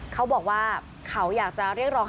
เขาบอกว่าเขาอยากจะเรียกร้อง